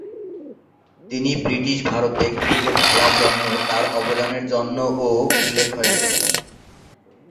তিনি ব্রিটিশ ভারতে ক্রিকেট খেলার জন্য তার অবদানের জন্যও উল্লেখ হয়েছেন।